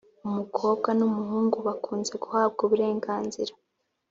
Umukobwa n’umuhungu bakuze bahabwa uburenganzira